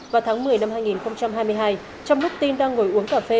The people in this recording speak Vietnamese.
vào tháng một mươi năm hai nghìn hai mươi hai trong lúc tin đang ngồi uống cà phê